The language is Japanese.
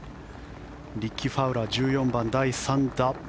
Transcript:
リッキー・ファウラー１４番、第３打。